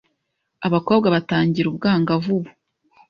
abakobwa batangira ubwangavu ubu